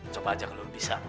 coba aja kalau bisa